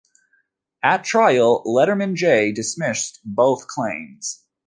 At trial, Lederman J. dismissed both claims.